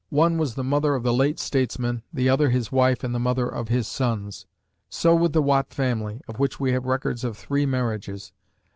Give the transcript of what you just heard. One was the mother of the late statesman, the other his wife and the mother of his sons. So with the Watt family, of which we have records of three marriages.